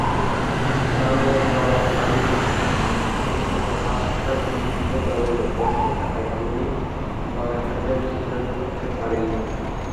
বাংলার নবাব আলীবর্দী খান এসময় আফগান বিদ্রোহ দমনে ব্যস্ত থাকায় তিনি মারাঠাদের প্রতিরোধ করতে পারেন নি।